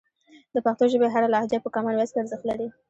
د پښتو ژبې هره لهجه په کامن وایس کې ارزښت لري.